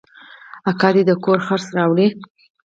اکا دې د کور خرڅ راوړي.